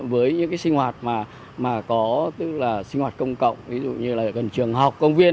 với những cái sinh hoạt mà có tức là sinh hoạt công cộng ví dụ như là gần trường học công viên